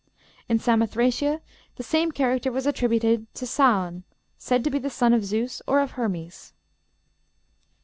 In Samothracia the same character was attributed to Saon, said to be the son of Zeus or of Hermes.